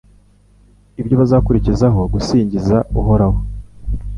ibyo bazakurizaho gusingiza Uhoraho